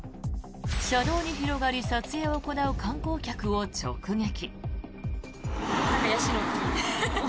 車道に広がり撮影を行う観光客を直撃。